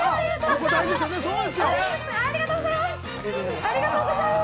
ありがとうございます。